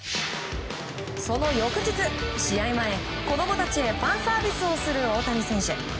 その翌日、試合前子供たちへファンサービスをする大谷選手。